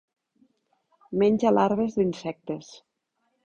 Menja larves d'insectes.